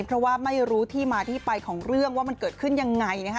เพราะว่าไม่รู้ที่มาที่ไปของเรื่องว่ามันเกิดขึ้นยังไงนะคะ